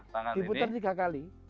diputer tiga kali